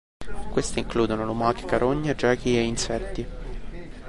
Queste includono lumache, carogne, gechi e insetti.